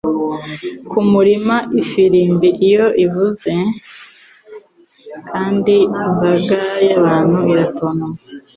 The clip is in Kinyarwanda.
kumurima iyo ifirimbi ivuze kandi imbaga y'abantu iratontoma.